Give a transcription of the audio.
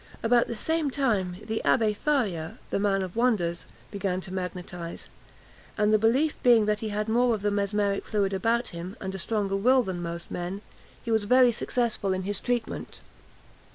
About the same time, the Abbé Faria, "the man of wonders," began to magnetise; and the belief being that he had more of the mesmeric fluid about him, and a stronger will, than most men, he was very successful in his treatment.